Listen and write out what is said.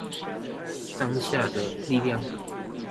當下的力量